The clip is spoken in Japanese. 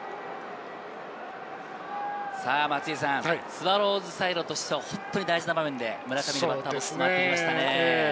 スワローズサイドとしては本当に大事な場面で、村上にバッターボックスが回ってきましたね。